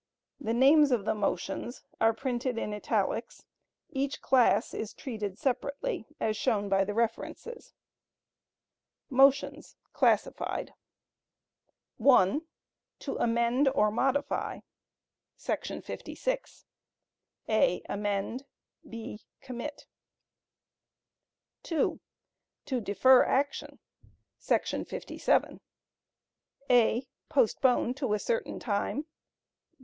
[The names of the motions are printed in Italics; each class is treated separately, as shown by the references.] Motions Classified. (1) To Amend or Modify …………………………………[§ 56] (a) Amend. (b) Commit. (2) To Defer action ……………………………………[§ 57] (a) Postpone to a certain time.